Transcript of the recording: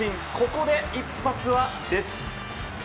ここで一発は出ず。